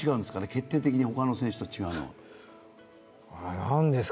決定的に他の選手と違うのは。